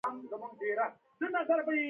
شېخ اسماعیل دبېټ نیکه زوی دﺉ.